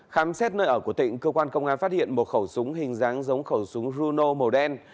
khám xét nơi ở của tịnh cơ quan công an phát hiện một khẩu súng hình dáng giống khẩu súng runo màu đen